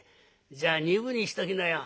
「じゃあ二分にしときなよ」。